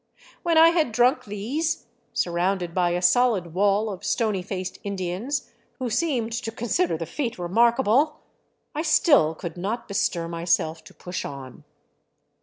When I had drunk these, surrounded by a solid wall of stony faced Indians who seemed to consider the feat remarkable, I still could not bestir myself to push on.